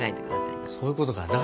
そういうことか。